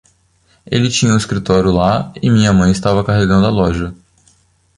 Ele tinha o escritório lá e minha mãe estava carregando a loja.